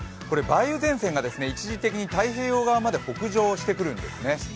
梅雨前線が一時的に太平洋側まで北上してくるんですね。